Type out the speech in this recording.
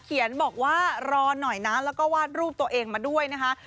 เขียนบอกว่ารอหน่อยนะแล้วก็วาดรูปตัวเองมาด้วยนะคะ